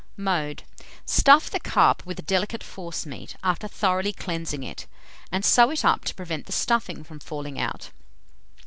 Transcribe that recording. Mode. Stuff the carp with a delicate forcemeat, after thoroughly cleansing it, and sew it up to prevent the stuffing from falling out.